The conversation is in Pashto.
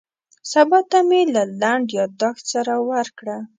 سبا ته مې له لنډ یاداښت سره ورکړه.